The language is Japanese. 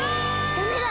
ダメだ！